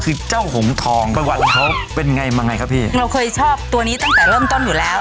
คือเจ้าหงทองประวัติเขาเป็นไงบ้างไงครับพี่เราเคยชอบตัวนี้ตั้งแต่เริ่มต้นอยู่แล้ว